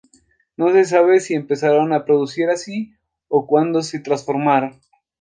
No se sabe si se empezaron a producir así o cuando se transformaron.